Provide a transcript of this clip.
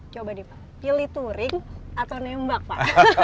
coba nih pak pilih touring atau nembak pak